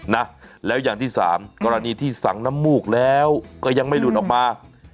นะแล้วอย่างที่สามกรณีที่สั่งน้ำมูกแล้วก็ยังไม่หลุดออกมา